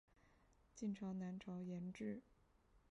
晋朝南朝沿置。